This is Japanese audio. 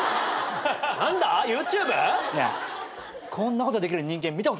ねえこんなことできる人間見たことないだろ？